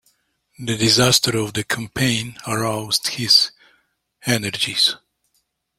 The disasters of the campaign aroused his energies.